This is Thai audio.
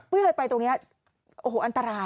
เพื่อให้ไปตรงนี้โอ้โหอันตราย